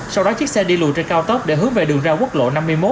sau đó chiếc xe đi lùi trên cao tốc để hướng về đường ra quốc lộ năm mươi một